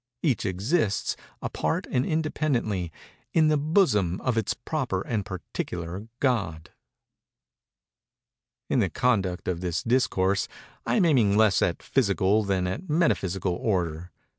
Each exists, apart and independently, in the bosom of its proper and particular God. In the conduct of this Discourse, I am aiming less at physical than at metaphysical order.